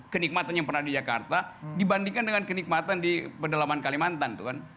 kenikmatan yang pernah di jakarta dibandingkan dengan kenikmatan di pendalaman kalimantan